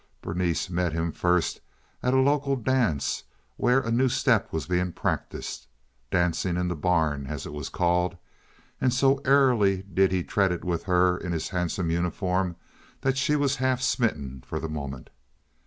Berenice met him first at a local dance, where a new step was being practised—"dancing in the barn," as it was called—and so airily did he tread it with her in his handsome uniform that she was half smitten for the moment.